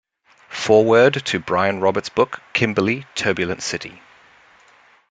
Foreword to Brian Roberts' book, "Kimberley, turbulent city".